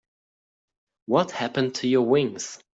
What happened to your wings?